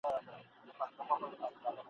د دې وخت د زاهدانو په قرآن اعتبار نسته ..